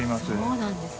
そうなんですね。